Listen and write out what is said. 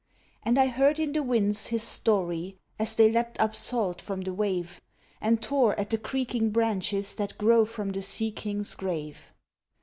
And I heard in the winds his story, as they leapt up salt from the wave, And tore at the creaking branches that grow from the sea king's grave.